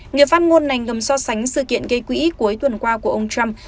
người phát ngôn này ngầm so sánh sự kiện gây quỹ cuối tuần qua của ông trump